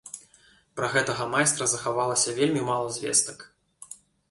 Пра гэта майстра захавалася вельмі мала звестак.